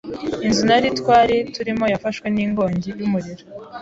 Inzu nari twari turimo yafashwe n’inkongi y’umuriro